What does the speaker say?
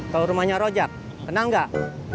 kau rumahnya rojak kenal nggak